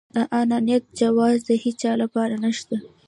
د انانيت جواز د هيچا لپاره نشته.